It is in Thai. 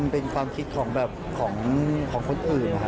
เป็นทุกอย่างให้เธอแล้ว